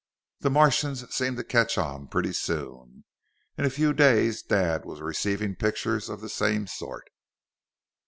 The Martians seemed to catch on pretty soon; in a few days Dad was receiving pictures of the same sort.